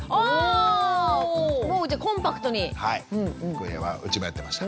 これはうちもやってました。